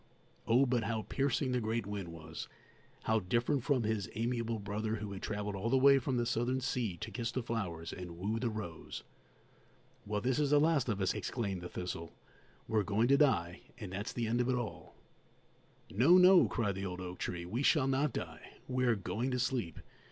Oh, but how piercing the great wind was; how different from his amiable brother who had travelled all the way from the Southern sea to kiss the flowers and woo the rose! "Well, this is the last of us!" exclaimed the thistle; "we're going to die, and that's the end of it all!" "No, no," cried the old oak tree; "we shall not die; we are going to sleep.